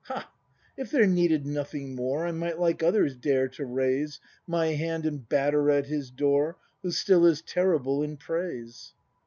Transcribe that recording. Ha! if there needed nothing more I might like others dare to raise My hand and batter at His door Who still is "terrible in praise."